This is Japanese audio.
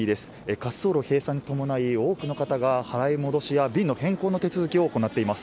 滑走路閉鎖に伴い多くの方が払い戻しや便の変更の手続きを行っています。